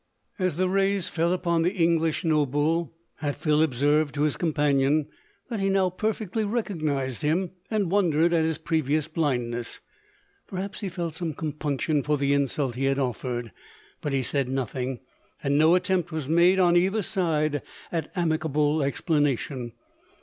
As the rays fell upon the English noble, Hatfield observed to his companion, that he now perfectly recognized him, and wondered at his previous blindness. Perhaps he felt some compunction for the insult he had offered ; but he said nothing, and no attempt was made on either side at amicable ex planation.